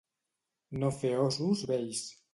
No fer ossos vells.